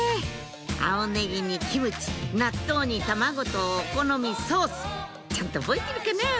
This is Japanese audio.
青ネギにキムチ納豆に卵とお好みソースちゃんと覚えてるかな？